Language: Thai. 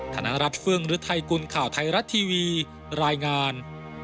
ธนรัฐเฟื่องฤทัยกุลข่าวไทยรัฐทีวีรายงาน